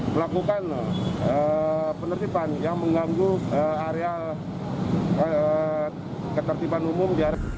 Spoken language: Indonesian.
melakukan penertiban yang mengganggu area ketertiban umum